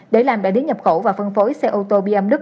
để làm đại đế nhập khẩu và phân phối xe ô tô bmw